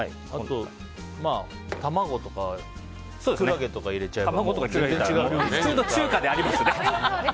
卵とかキクラゲとか入れちゃえば普通の中華でありますね。